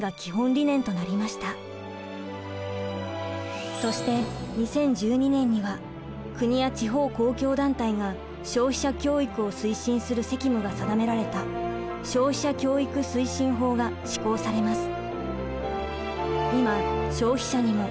更にそして２０１２年には国や地方公共団体が消費者教育を推進する責務が定められた消費者教育推進法が施行されます。